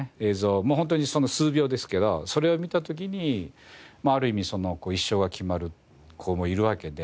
ホントに数秒ですけどそれを見た時にまあある意味一生が決まる子もいるわけで。